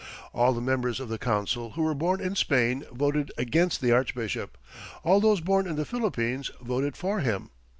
All the members of the council who were born in Spain voted against the Archbishop. All those born in the Philippines voted for him.